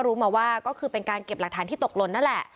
รู้มาว่าก็คือเป็นการเก็บหลักฐานที่ตกหล่นนั่นแหละ